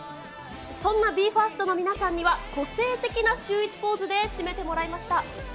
そんなビーファーストの皆さんには、個性的なシューイチポーズで締めてもらいました。